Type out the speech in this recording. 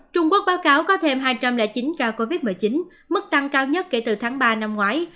trung quốc báo cáo có thêm hai trăm linh chín ca covid một mươi chín mức tăng cao nhất kể từ tháng ba năm ngoái